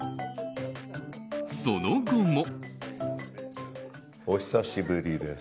その後も。